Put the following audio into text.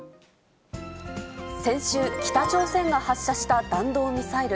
先週、北朝鮮が発射した弾道ミサイル。